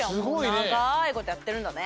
もうながいことやってるんだね。